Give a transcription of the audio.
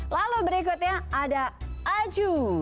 lalu berikutnya ada aju